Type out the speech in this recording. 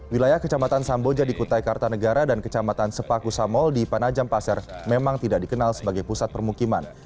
wilayah kecamatan samboja di kutai kartanegara dan kecamatan sepaku samol di panajam pasir memang tidak dikenal sebagai pusat permukiman